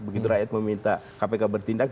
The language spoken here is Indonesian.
begitu rakyat meminta kpk bertindak